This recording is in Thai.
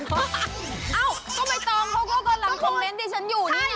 เอ้าก็ใบตองเขาก็กำลังคอมเมนต์ที่ฉันอยู่นี่